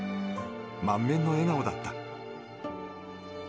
満面の笑顔だった。